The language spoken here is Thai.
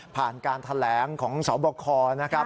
ผ่านการแถลงของสวบคนะครับ